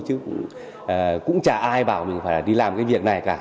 chứ cũng chả ai bảo mình phải đi làm cái việc này cả